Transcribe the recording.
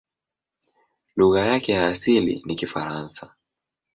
Lugha yake ya asili ni Kifaransa.